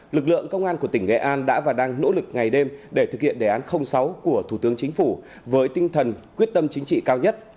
lực lượng công an của tỉnh nghệ an đã và đang nỗ lực ngày đêm để thực hiện đề án sáu của thủ tướng chính phủ với tinh thần quyết tâm chính trị cao nhất